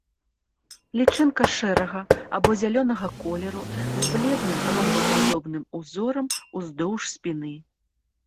Лічынка шэрага або зялёнага колеру з бледным, ромбападобным узорам уздоўж спіны.